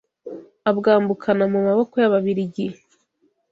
abwambukana mu maboko y’Ababiligi